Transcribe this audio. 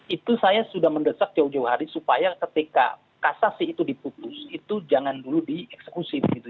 itu saya sudah mendesak jauh jauh hari supaya ketika kasasi itu diputus itu jangan dulu dieksekusi begitu